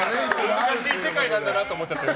難しい世界なんだなと思っちゃった。